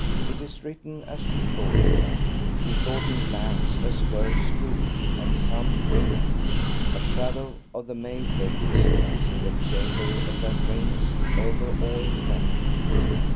It is written as she thought it; she thought in blanks, as girls do, and some women. A shadow of the male Egoist is in the chamber of their brains overawing them.